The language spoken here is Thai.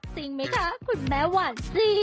จริงไหมคะคุณแม่หวานสิ